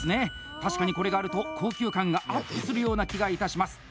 確かに、これがあると高級感がアップするような気がいたします。